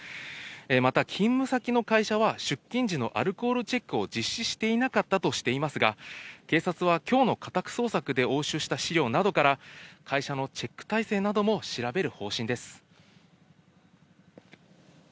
また勤務先の会社は、出勤時のアルコールチェックを実施していなかったとしていますが、警察はきょうの家宅捜索で押収した資料などから、会社のチェック体制なども調べる方針です。